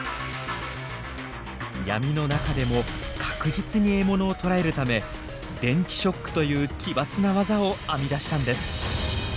闇の中でも確実に獲物を捕らえるため電気ショックという奇抜なワザを編み出したんです。